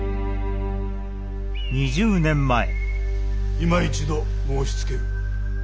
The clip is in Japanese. いま一度申しつける。